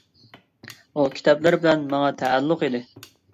ئۇ كىتابلىرى بىلەن ماڭا تەئەللۇق ئىدى.